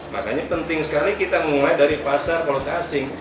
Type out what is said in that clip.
makanya penting sekali kita memulai dari pasar kalau keasing